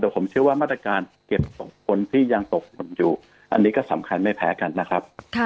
แต่ผมเชื่อว่ามาตรการเก็บของคนที่ยังตกหล่นอยู่อันนี้ก็สำคัญไม่แพ้กันนะครับ